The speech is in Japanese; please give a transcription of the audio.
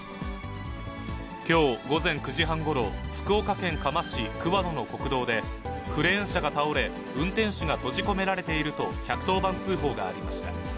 きょう午前９時半ごろ、福岡県嘉麻市桑野の国道で、クレーン車が倒れ、運転手が閉じ込められていると１１０番通報がありました。